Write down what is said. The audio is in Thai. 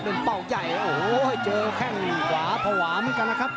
เดินเป้าใหญ่โอ้โหเจอแห้งขวาพวามกันนะครับ